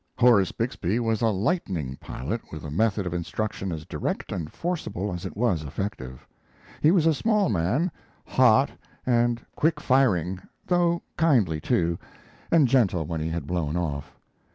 Horace Bixby was a "lightning" pilot with a method of instruction as direct and forcible as it was effective. He was a small man, hot and quick firing, though kindly, too, and gentle when he had blown off.